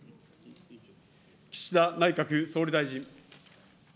岸田内閣総理大臣。